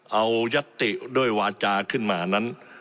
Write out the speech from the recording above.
เอายัตติด้วยวาจาขึ้นมานั้น